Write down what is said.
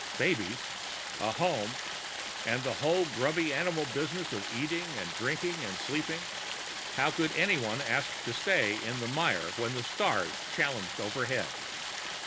Babies! A home! And the whole grubby animal business of eating and drinking and sleeping! How could anyone ask to stay in the mire when the stars challenged overhead?